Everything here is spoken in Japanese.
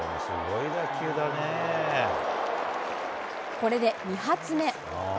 これで２発目。